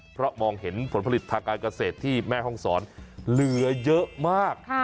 เพราะมองเห็นผลผลิตทางการเกษตรที่แม่ห้องศรเหลือเยอะมาก